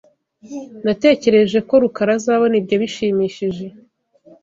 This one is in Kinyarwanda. Natekereje ko Rukara azabona ibyo bishimishije.